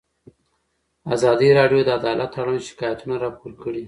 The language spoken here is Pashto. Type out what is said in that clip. ازادي راډیو د عدالت اړوند شکایتونه راپور کړي.